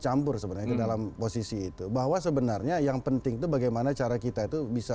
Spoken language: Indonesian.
campur sebenarnya ke dalam posisi itu bahwa sebenarnya yang penting itu bagaimana cara kita itu bisa